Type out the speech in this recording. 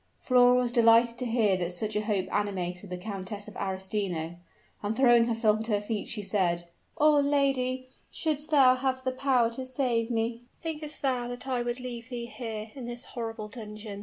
Flora was delighted to hear that such a hope animated the Countess of Arestino: and throwing herself at her feet, she said, "Oh! lady, should'st thou have the power to save me " "Thinkest thou that I would leave thee here, in this horrible dungeon?"